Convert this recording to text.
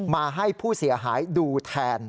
มาให้ผู้เสียหายดูแทน